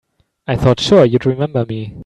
I thought sure you'd remember me.